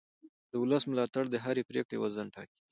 د ولس ملاتړ د هرې پرېکړې وزن ټاکي